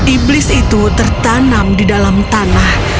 iblis itu tertanam di dalam tanah